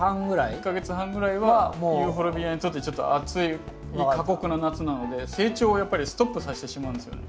１か月半ぐらいはユーフォルビアにとってちょっと暑い過酷な夏なので成長をやっぱりストップさせてしまうんですよね。